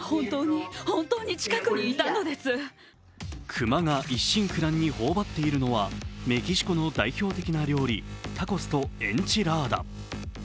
熊が一心不乱に頬張っているのはメキシコの代表的な料理タコスとエンチラーダ。